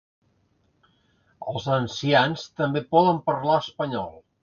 Els ancians també poden parlar espanyol.